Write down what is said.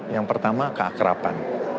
yang pertama keakrapan